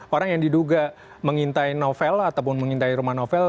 orang yang diduga mengintai novel ataupun mengintai rumah novel